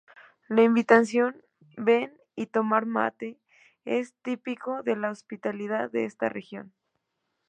La invitación: "Ven y tomar mate" es típico de la hospitalidad de esta región.